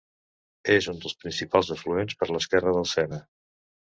És un dels principals afluents per l'esquerra del Sena.